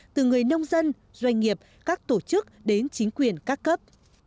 từ người nông dân doanh nghiệp các tổ chức đến chính quyền các cấp